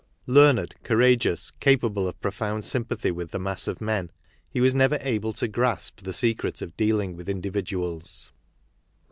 Learned, courageous, capable of profound sympathy with the mass of men, he was never able to grasp the secret of dealing with individuals.